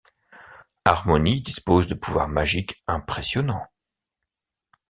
Harmonie dispose de pouvoirs magiques impressionnants.